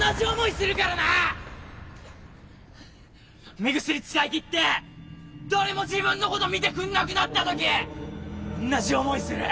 目薬使い切って誰も自分のこと見てくんなくなったときおんなじ思いする。